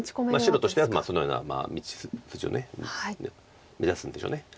白としてはそのような道筋を目指すんでしょう。